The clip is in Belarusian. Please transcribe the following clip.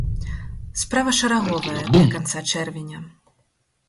Справа шараговая для канца чэрвеня.